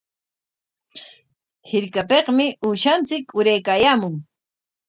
Hirkapikmi uushanchik uraykaayaamun.